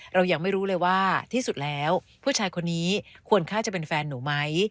เรายังไม่รู้เลยว่าที่สุดแล้วผู้ชายคนนี้ควรฆ่าจะเป็นแฟนหนูไหม